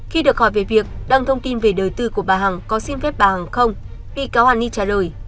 khi được hỏi về việc đăng thông tin về đời tư của bà hằng có xin phép bà hằng không bị cáo hà ni trả lời